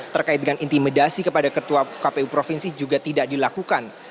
terkait dengan intimidasi kepada ketua kpu provinsi juga tidak dilakukan